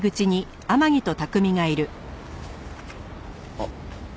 あっ。